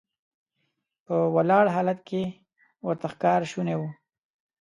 په ولاړ حالت کې ورته ښکار شونی و.